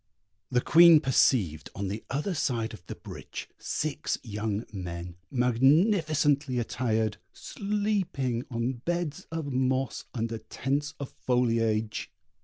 The Queen perceived on the other side of the bridge, six young men, magnificently attired, sleeping on beds of moss, under tents of foliage.